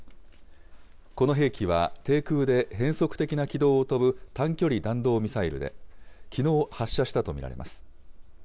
この兵器は、低空で変則的な軌道を飛ぶ短距離弾道ミサイルで、きのう、発射したと見られます。